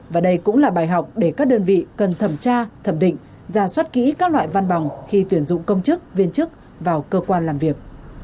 và đây cũng là bài học để các đơn vị cần thẩm tra thẩm định ra soát kỹ các loại văn bằng khi tuyển dụng công chức viên chức vào cơ quan làm việc